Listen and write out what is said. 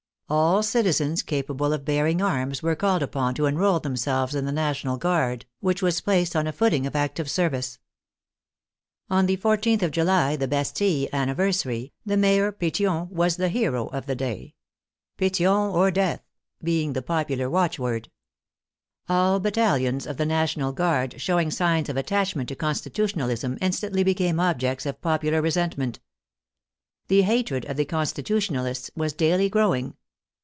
All citizens capable of bearing arms v^ere called upon to enroll themselves in the National Guard, which was placed on a footing of active service. On the 14th of July, the Bastille anniversary, the Mayor Petion was the hero of the day —*' Petion or death !" being the popular watchword. All battalions of the National Guard showing signs of attachment to Con stitutionalism instantly became objects of popular resent ment. The hatred of the Constitutionalists was daily growing.